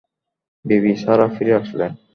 বিবি Sarah ফিরে আসলেন।